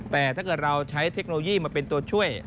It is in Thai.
แต่ถ้าเกิดเราใช้เทคโนโลยีมาเป็นตัวช่วย